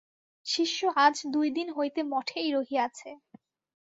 শিষ্য আজ দুই দিন হইতে মঠেই রহিয়াছে।